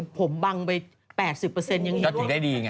ผมบังไป๘๐เปอร์เซ็นต์ยังเห็น